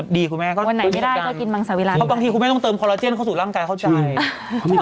อ๋อดีคุณแม่วันไหนไม่ได้ก็กินมังสาเวลาแม่บางทีคุณแม่ต้องเติมคอลลาเจนเข้าสู่ร่างใจเข้าใจ